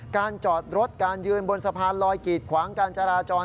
การจอดรถการยืนบนสะพานลอยกีดขวางการจราจร